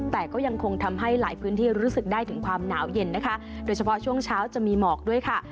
แต่ก็ยังคงทำให้หลายพื้นที่รู้สึกได้ถึงความหนาวเย็นนะคะโดยเฉพาะช่วงเช้าจะมีหมอกด้วยค่ะ